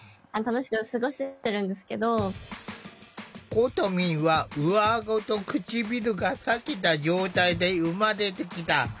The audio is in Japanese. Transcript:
ことみんは上あごと唇がさけた状態で生まれてきた。